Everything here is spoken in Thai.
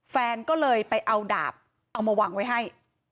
แฟนก็เลยไปเอาดาบเอามาวางไว้ให้